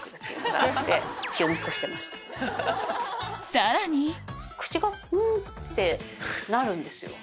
さらに口がんってなるんですよ。